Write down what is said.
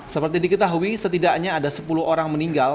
seperti diketahui setidaknya ada sepuluh orang meninggal